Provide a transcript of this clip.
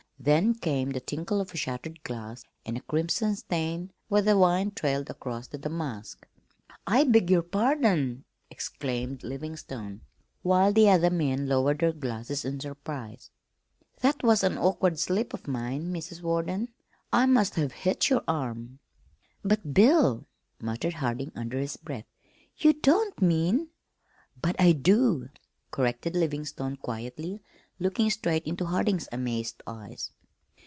Then came the tinkle of shattered glass and a crimson stain where the wine trailed across the damask. "I beg your pardon!" exclaimed Livingstone, while the other men lowered their glasses in surprise. "That was an awkward slip of mine, Mrs. Warden. I must have hit your arm." "But, Bill," muttered Harding under his breath, "you don't mean " "But I do," corrected Livingstone quietly, looking straight into Harding's amazed eyes.